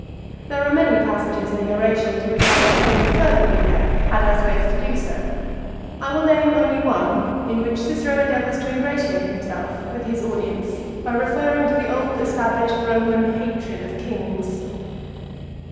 There are many passages in the oration to which I would fain refer the reader had I space to do so. I will name only one in which Cicero endeavours to ingratiate himself with his audience by referring to the old established Roman hatred of kings.